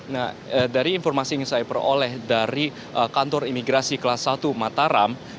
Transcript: nah dari informasi yang saya peroleh dari kantor imigrasi kelas satu mataram